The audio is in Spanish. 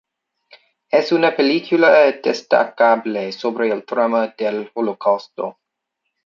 Es una película destacable sobre el drama del holocausto.